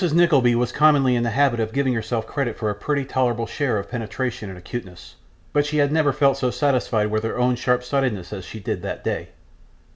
Nickleby was commonly in the habit of giving herself credit for a pretty tolerable share of penetration and acuteness, but she had never felt so satisfied with her own sharp sightedness as she did that day.